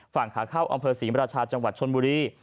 ฝั่งขาเข้าอำเภอศรีมราชาจังหวัดชนบุรี